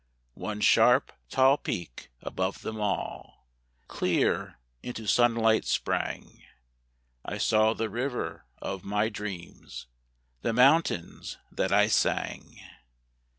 One sharp, tall peak above them all Clear into sunlight sprang I saw the river of my dreams, The mountains that I sang!